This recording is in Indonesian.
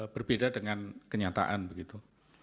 berbeda dengan kenyataan begitu